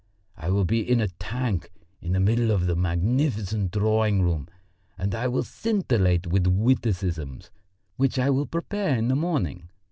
I will be in a tank in the middle of the magnificent drawing room, and I will scintillate with witticisms which I will prepare in the morning.